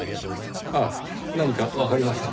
ああ何かわかりましたか？